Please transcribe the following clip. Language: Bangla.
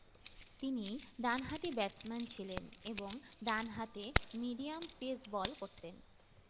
তিনি ডানহাতি ব্যাটসম্যান ছিলেন এবং ডানহাতে মিডিয়াম পেস বল করতেন।